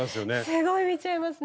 すごい見ちゃいますね。